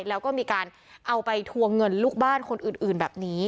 แล้วก็มีการเอาไปทวงเงินลูกบ้านคนอื่นแบบนี้